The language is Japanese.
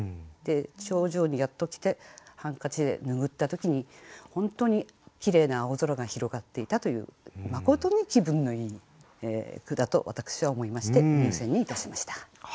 頂上にやっと来てハンカチで拭った時に本当にきれいな青空が広がっていたというまことに気分のいい句だと私は思いまして入選にいたしました。